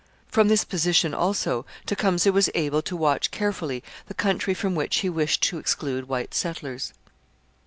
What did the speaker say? From this position, also, Tecumseh was able to watch carefully the country from which he wished to exclude white settlers.